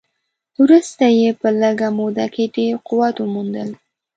وروسته یې په لږه موده کې ډېر قدرت وموند.